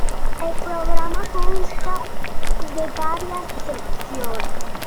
El programa consta de varias secciones.